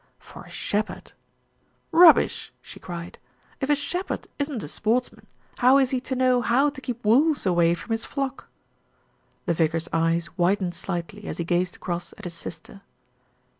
For a shepherd " "Rubbish !" she cried. "If a shepherd isn't a sports man, how is he to know how to keep wolves away from his flock?" The vicar's eyes widened slightly as he gazed across at his sister.